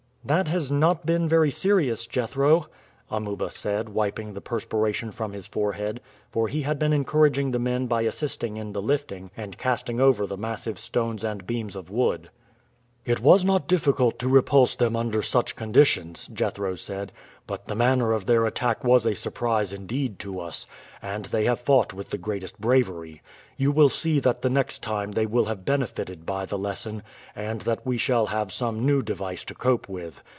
"That has not been very serious, Jethro," Amuba said, wiping the perspiration from his forehead; for he had been encouraging the men by assisting in the lifting and casting over the massive stones and beams of wood. "It was not difficult to repulse them under such conditions," Jethro said; "but the manner of their attack was a surprise indeed to us, and they have fought with the greatest bravery. You will see that the next time they will have benefited by the lesson, and that we shall have some new device to cope with.